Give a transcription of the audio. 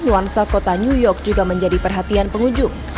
nuansa kota new york juga menjadi perhatian pengunjung